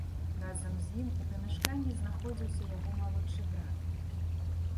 Разам з ім у памяшканні знаходзіўся яго малодшы брат.